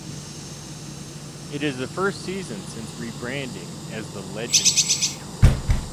It is the first season since rebranding as the Legends Tour.